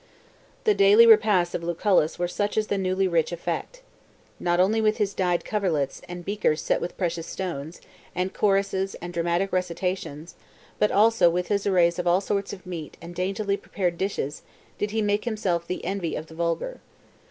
XL. The daily repasts of Lucullus were such as the newly rich affect. Not only with his dyed coverlets, and beakers set with precious stones, and choruses and dramatic recitations, but also with his arrays of all sorts of meats and daintily prepared dishes, did he make himself the envy of the vulgar.